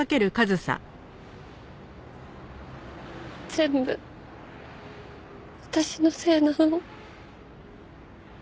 全部私のせいなの。